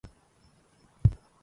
خل عنك الصد يا بدر الدجى